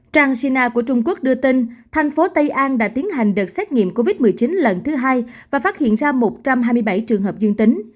trang sina của trung quốc đưa tin thành phố tây an đã tiến hành đợt xét nghiệm covid một mươi chín lần thứ hai và phát hiện ra một trăm hai mươi bảy trường hợp dương tính